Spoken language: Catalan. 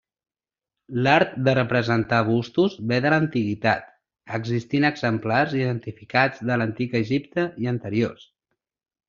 L'art de representar bustos ve de l'antiguitat, existint exemplars identificats de l'Antic Egipte i anteriors.